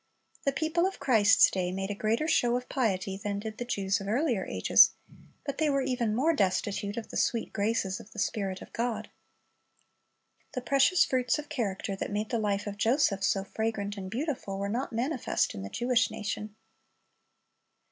"^ The people of Christ's day made a greater show of piety than did the Jews of earlier ages, but they were even more destitute of the sweet graces of the Spirit of God. The precious fruits of character that made the life of Joseph so fragrant and beautiful, were not manifest in the Jewish nation.